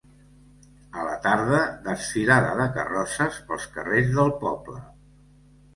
A la tarda, desfilada de carrosses pels carrers del poble.